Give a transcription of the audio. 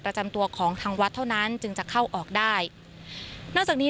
ประจำตัวของทางวัดเท่านั้นจึงจะเข้าออกได้นอกจากนี้